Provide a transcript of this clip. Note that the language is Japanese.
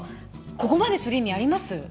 ここまでする意味あります？